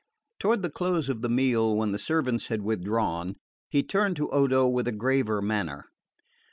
Toward the close of the meal, when the servants had withdrawn, he turned to Odo with a graver manner.